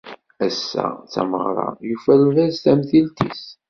Ass-a d tameɣra, yufa lbaz tamtilt-is.